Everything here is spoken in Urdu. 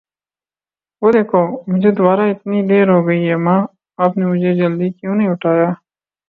وه دیکھو. مجهے دوباره اتنی دیر ہو گئی ہے! ماں، آپ نے مجھے جلدی کیوں نہیں اٹھایا!